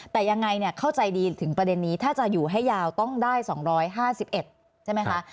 แต่ยังไงเข้าใจดีถึงประเด็นนี้ถ้าจะอยู่ให้ยาวต้องได้๒๕๑ใช่ไหมคะ